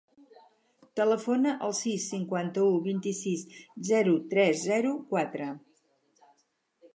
Telefona al sis, cinquanta-u, vint-i-sis, zero, tres, zero, quatre.